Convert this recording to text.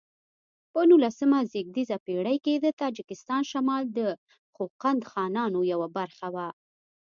په نولسمه زېږدیزه پیړۍ کې د تاجکستان شمال د خوقند خانانو یوه برخه و.